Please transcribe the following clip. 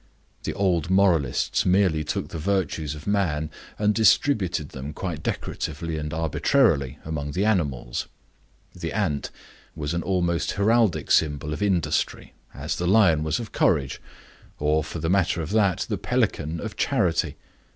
The old moralists merely took the virtues of man and distributed them quite decoratively and arbitrarily among the animals. The ant was an almost heraldic symbol of industry, as the lion was of courage, or, for the matter of that, the pelican of charity.